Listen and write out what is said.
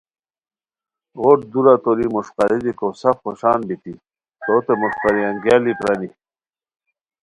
غوٹ دُورہ توری مݰقاری دیکو سف خوشان بیتی تو تے مݰقاری انگیالی پرانی